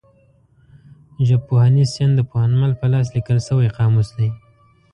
ژبپوهنیز سیند د پوهنمل په لاس لیکل شوی قاموس دی.